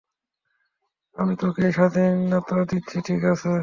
আমি তোকে সেই স্বাধীনতা দিচ্ছি, ঠিক আছে?